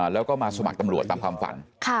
แล้วก็มาสมัครตำรวจตามความฝัน